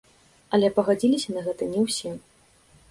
Але пагадзіліся на гэта не ўсе.